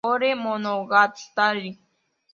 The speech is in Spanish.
Ore Monogatari!!